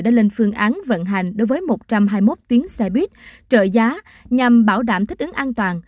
đã lên phương án vận hành đối với một trăm hai mươi một tuyến xe buýt trợ giá nhằm bảo đảm thích ứng an toàn